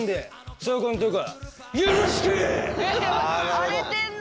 荒れてんな。